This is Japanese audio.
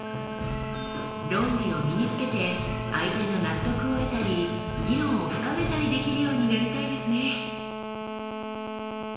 論理を身につけて相手の納得を得たり議論を深めたりできるようになりたいですね。